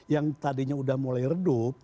yang tadinya sudah mulai redup